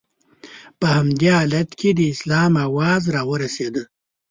په همدې حالت کې د اسلام اوازه را ورسېده.